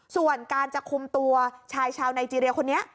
ส่วนการจะคุมตัวชายชาวไนเจรียคนนี้